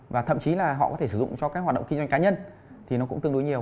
và thậm chí là họ có thể sử dụng cho các hoạt động kinh doanh cá nhân thì nó cũng tương đối nhiều